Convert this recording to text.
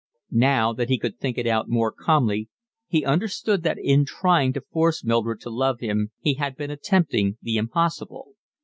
Now that he could think it out more calmly he understood that in trying to force Mildred to love him he had been attempting the impossible.